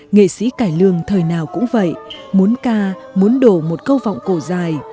nghệ sĩ cải lương thời nào cũng vậy muốn ca muốn đổ một câu vọng cổ dài